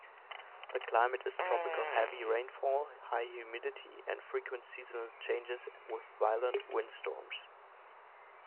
The climate is tropical-heavy rainfall, high humidity, and frequent seasonal changes with violent windstorms.